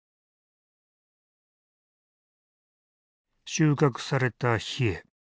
収穫されたヒエ。